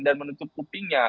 dan menutup kupingnya